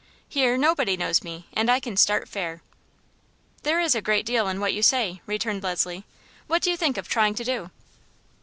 Here nobody knows me, and I can start fair." "There is a great deal in what you say," returned Leslie. "What do you think of trying to do?"